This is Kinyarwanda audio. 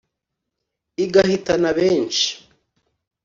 igahitana benshi